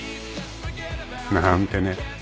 ［なーんてね］